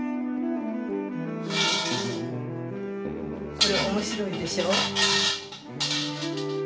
これ面白いでしょう。